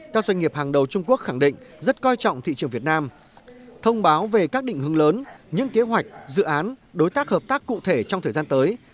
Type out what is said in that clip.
các doanh nghiệp hàng đầu trung quốc khẳng định rất coi trọng thị trường việt nam thông báo về các định hướng lớn những kế hoạch dự án đối tác hợp tác cụ thể trong thời gian tới